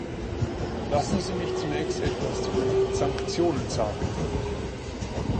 Lassen Sie mich zunächst etwas zu den Sanktionen sagen.